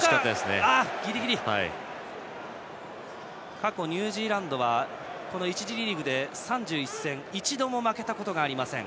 過去、ニュージーランドはこの１次リーグで３１戦、一度も負けたことがありません。